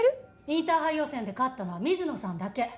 インターハイ予選で勝ったのは水野さんだけ。